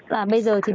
là bây giờ thì mình